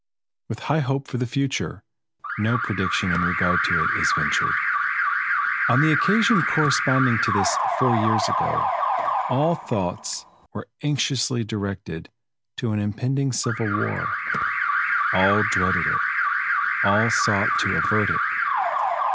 With high hope for the future, no prediction in regard to it is ventured. On the occasion corresponding to this four years ago, all thoughts were anxiously directed to an impending civil war. All dreaded it all sought to avert it.